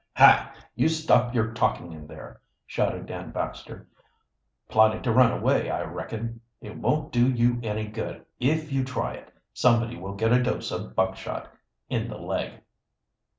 "Hi, you stop your talking in there!" shouted Dan Baxter. "Plotting to run away, I reckon. It won't do you any good. If you try it, somebody will get a dose of buckshot in the leg."